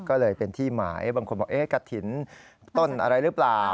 ก็เลยเป็นที่หมายบางคนบอกกระถิ่นต้นอะไรหรือเปล่า